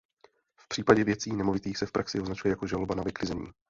V případě věcí nemovitých se v praxi označuje jako žaloba na vyklizení.